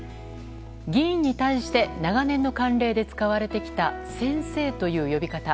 議員に対して長年の慣例で使われてきた「先生」という呼び方。